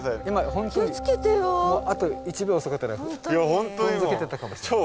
本当にあと１秒遅かったら踏んづけてたかもしれない。